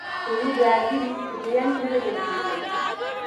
اولو د عادي لید په جریان کې نه لیدل کېږي.